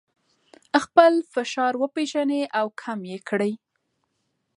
خپل فشار وپیژنئ او کم یې کړئ.